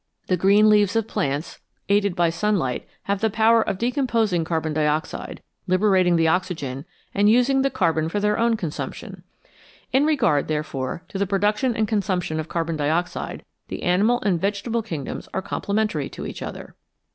The green leaves of plants, aided by sunlight, have the power of decomposing carbon di oxide, liberating the oxygen, and using the carbon for their own consumption. In regard, therefore, to the pro duction and consumption of carbon dioxide, the animal and vegetable kingdoms are complementary to each other.